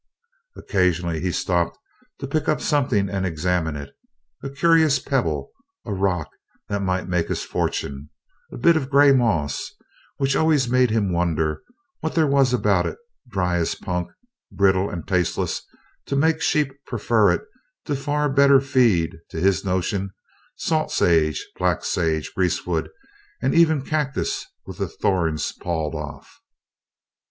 Occasionally he stopped to pick up something and examine it a curious pebble, a rock that might make his fortune, a bit of grey moss, which always made him wonder what there was about it, dry as punk, brittle and tasteless, to make sheep prefer it to far better feed, to his notion salt sage, black sage, grease wood, or even cactus with the thorns pawed off.